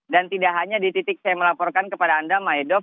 dan tidak hanya di titik saya melaporkan kepada anda maedof